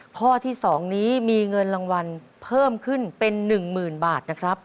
ข้อที่๒นี้มีเงินรางวัลเพิ่มขึ้นเป็น๑๐๐๐บาทนะครับ